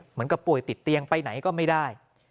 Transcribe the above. เหมือนกับป่วยติดเตียงไปไหนก็ไม่ได้